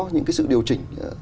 những cái sự điều chỉnh